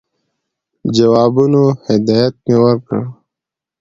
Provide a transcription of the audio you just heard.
جوابونو هدایت مي ورکړ.